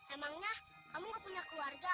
emangnya kamu gak punya keluarga